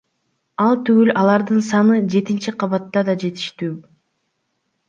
Ал түгүл алардын саны жетинчи кабатта да жетиштүү.